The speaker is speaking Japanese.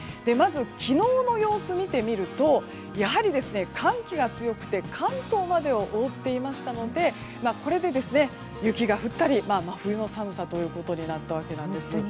まず、昨日の様子を見てみるとやはり寒気が強くて関東までを覆っていましたのでこれで雪が降ったり真冬の寒さとなったわけです。